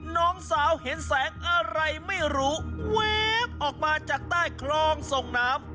น้องสาวเห็นแสงอะไรไม่รู้แว๊บออกมาจากใต้คลองส่งน้ำ